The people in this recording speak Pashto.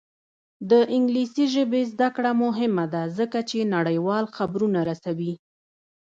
د انګلیسي ژبې زده کړه مهمه ده ځکه چې نړیوال خبرونه رسوي.